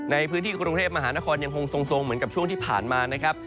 ในพื้นที่กรุงเทพมหานครยังคงทรงเหมือนกับช่วงที่ผ่านมานะครับ